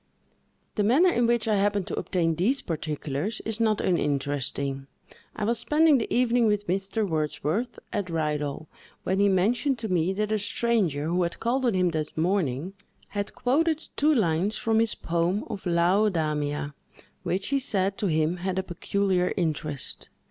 The manner in which I happened to obtain these particulars is not uninteresting. I was spending the evening with Mr. Wordsworth, at Ridal, when he mentioned to me that a stranger, who had called on him that morning, had quoted two lines from his poem of "Laodamia," which, he said, to him had a peculiar interest.